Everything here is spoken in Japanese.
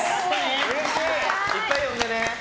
いっぱい読んでね。